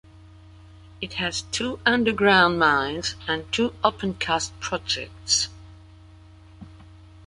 It has two underground mines and two opencast projects.